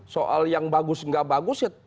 soal yang bagus nggak bagus ya